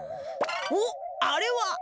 おっあれは！？